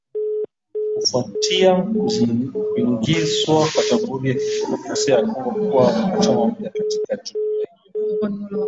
Kufuatia kuingizwa kwa Jamhuri ya Kidemokrasia ya Kongo kuwa mwanachama mpya katika jumuiya hiyo